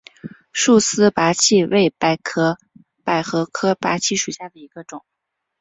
束丝菝葜为百合科菝葜属下的一个种。